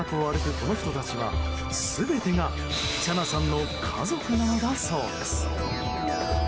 この人たちは全てがチャナさんの家族なのだそうです。